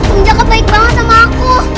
om jakab baik banget sama aku